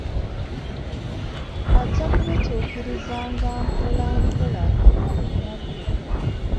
Ajja kubituukirizanga mpolampola buli lunaku.